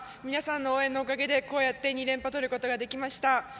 皆さんの応援のおかげでこうやって２連覇を取ることができました。